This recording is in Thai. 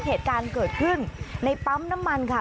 เหตุการณ์เกิดขึ้นในปั๊มน้ำมันค่ะ